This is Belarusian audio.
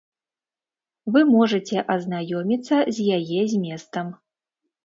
Вы можаце азнаёміцца з яе зместам.